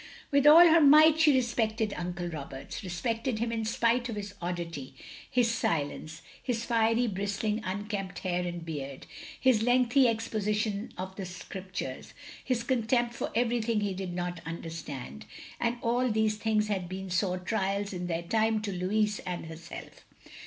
With all her might she respected Uncle Roberts ; respected him in spite of his oddity, his silence, his fiery bristling unkempt hair and beard, his lengthy expositions of the Scriptures, his con tempt for everything he did not tmderstand; and all these things had been sore trials in their time to Lotiis and herself.